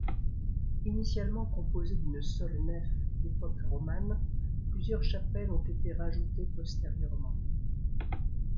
Initialement composée d'une seule nef d'époque romane, plusieurs chapelles ont été rajoutées postérieurement.